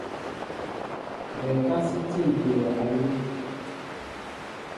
Bɛnká sí tîpi wɛ alúm.